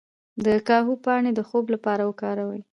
د کاهو پاڼې د خوب لپاره وکاروئ